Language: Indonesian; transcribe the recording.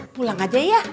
pulang aja ya